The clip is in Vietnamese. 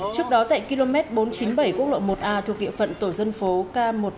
trước đó tại km bốn trăm chín mươi bảy quốc lộ một a thuộc địa phận tổ dân phố k một trăm bốn mươi